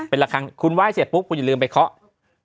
เป็นละครั้งคุณไหว้เสร็จปุ๊บคุณอย่าลืมไปเคาะ